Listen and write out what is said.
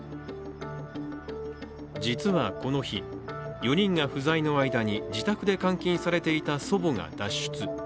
実はこの日、４人が不在の間に自宅で監禁されていた祖母が脱出。